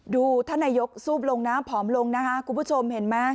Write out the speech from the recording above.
ดูท่านไนยกษ์ซูบลงผอมลงคุณผู้ชมเห็นไหม